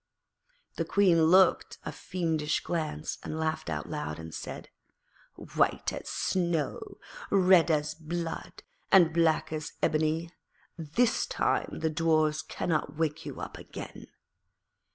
The Queen looked with a fiendish glance, and laughed aloud and said, 'White as snow, red as blood, and black as ebony, this time the Dwarfs cannot wake you up again.'